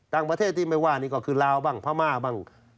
ต่างประเทศที่ไม่ว่านี่ก็คือลาวบ้างพม่าบ้าง